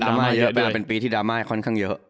มาเยอะมากเป็นปีที่ดราม่าค่อนข้างเยอะ